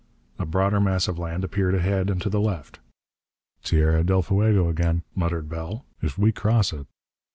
A broader mass of land appeared ahead and to the left. "Tierra del Fuego again," muttered Bell. "If we cross it...."